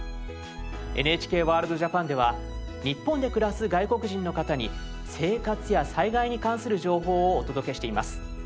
「ＮＨＫＷＯＲＬＤ−ＪＡＰＡＮ」では日本で暮らす外国人の方に生活や災害に関する情報をお届けしています。